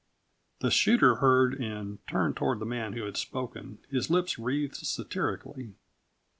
The shooter heard and turned toward the man who had spoken, his lips wreathed satirically.